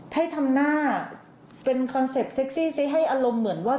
ให้ทำหน้าเป็นคอนเซ็ปตเซ็กซี่ซิให้อารมณ์เหมือนว่า